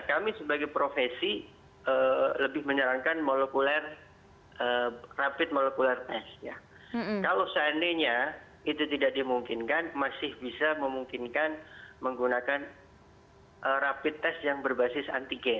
kami sebagai profesi lebih menyarankan molekuler rapid molekuler test kalau seandainya itu tidak dimungkinkan masih bisa memungkinkan menggunakan rapid test yang berbasis antigen